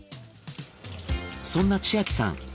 そんな千秋さん